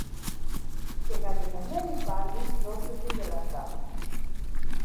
Και γαληνεμένη πάλι πρόσθεσε γελαστά: